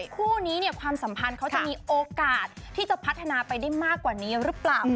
คู่นี้เนี่ยความสัมพันธ์เขาจะมีโอกาสที่จะพัฒนาไปได้มากกว่านี้หรือเปล่า